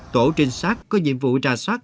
tổ trinh sát có nhiệm vụ trà sát